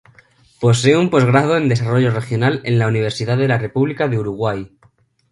Posee un posgrado en Desarrollo Regional en la Universidad de la República de Uruguay.